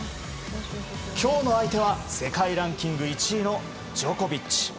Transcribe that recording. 今日の相手は世界ランキング１位のジョコビッチ。